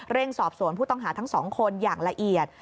สอบสวนผู้ต้องหาทั้งสองคนอย่างละเอียด